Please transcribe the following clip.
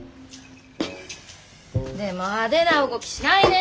でも派手な動きしないね。